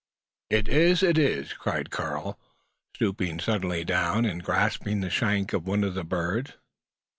"It is! it is!" cried Karl, stooping suddenly down, and grasping the shank of one of the birds.